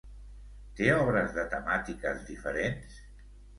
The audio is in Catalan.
Té obres de temàtiques diferents?